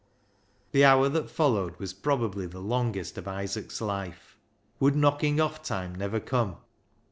The hour that followed was probably the longest of Isaac's life. Would " knocking off" time never come?